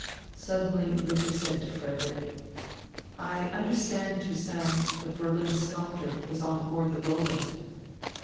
Suddenly Ritter said to Frederick: "I understand Toussaint, the Berlin sculptor, was on board the Roland."